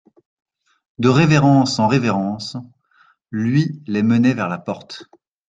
De révérence en révérence, lui les menait vers la porte.